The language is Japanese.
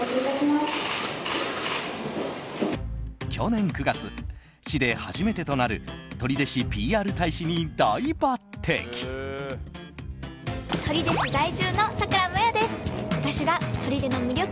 去年９月、市で初めてとなる取手市ＰＲ大使に大抜擢。